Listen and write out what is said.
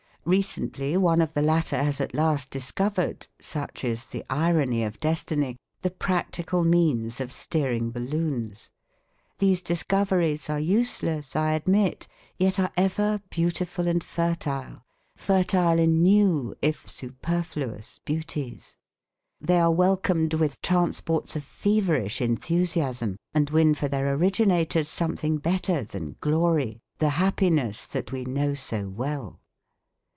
Recently one of the latter has at last discovered such is the irony of destiny the practical means of steering balloons. These discoveries are useless, I admit, yet are ever beautiful and fertile, fertile in new, if superfluous, beauties. They are welcomed with transports of feverish enthusiasm and win for their originators something better than glory, the happiness that we know so well.